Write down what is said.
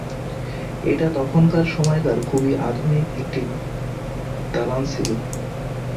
এটা তখনকার সময়কার খুবই আধুনিক একটি দালান ছিল।